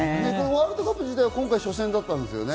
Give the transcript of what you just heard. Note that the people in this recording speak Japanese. ワールドカップ自体は今回初戦だったんですよね。